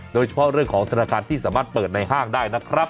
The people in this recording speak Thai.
โดยเฉพาะเรื่องของธนาคารที่สามารถเปิดในห้างได้นะครับ